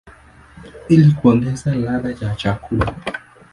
ili kuongeza ladha ya chakula.